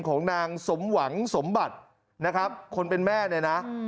ของนางสมหวังสมบัตินะครับคนเป็นแม่เนี่ยนะ